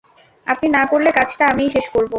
আপনি না করলে, কাজটা আমিই শেষ করব!